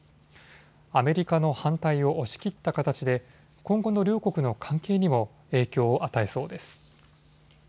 アメリカの反対を押し切った形で今後の両国の関係にも影響を与えそうです。